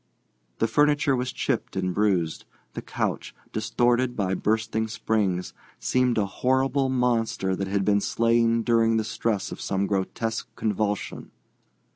The furniture was chipped and bruised; the couch, distorted by bursting springs, seemed a horrible monster that had been slain during the stress of some grotesque convulsion.